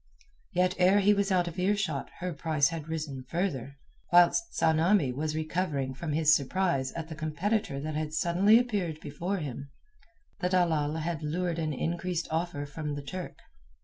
Yet ere he was out of earshot her price had risen further. Whilst Tsamanni was recovering from his surprise at the competitor that had suddenly appeared before him, the dalal had lured an increased offer from the Turk.